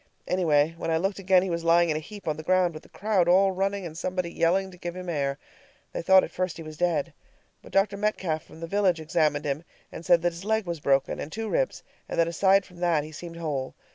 Anyway, when I looked again he was lying in a heap on the ground, with the crowd all running, and somebody yelling to give him air. They thought at first he was dead. But Dr. Metcalf from the village examined him, and said his leg was broken, and two ribs, and that aside from that he seemed whole.